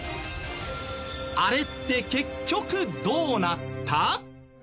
あれって結局、どうなった？